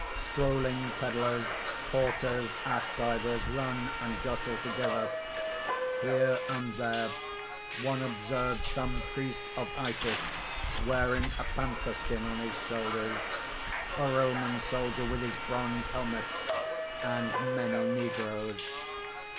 _ _Strolling peddlers, porters, ass drivers run and jostle together. Here and there one observes some priest of Isis wearing a panther skin on his shoulders, a Roman soldier with his bronze helmet, and many negroes.